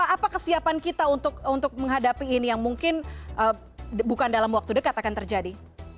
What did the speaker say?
apa kesiapan kita untuk menghadapi ini yang mungkin bukan dalam waktu dekat akan terjadi